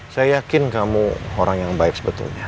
saya yakin kamu orang yang baik sebetulnya